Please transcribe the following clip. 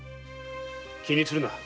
気にするな。